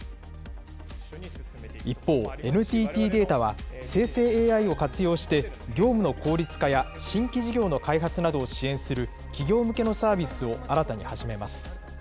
一方、ＮＴＴデータは、生成ＡＩを活用して、業務の効率化や新規事業の開発などを支援する企業向けのサービスを新たに始めます。